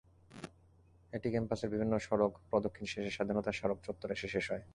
এটি ক্যাম্পাসের বিভিন্ন সড়ক প্রদক্ষিণ শেষে স্বাধীনতা স্মারক চত্বরে এসে শেষ হয়।